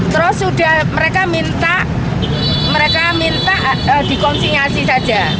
terus sudah mereka minta dikonsinyasi saja